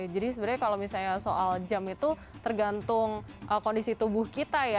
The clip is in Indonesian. sebenarnya kalau misalnya soal jam itu tergantung kondisi tubuh kita ya